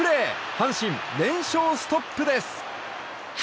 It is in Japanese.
阪神、連勝ストップです。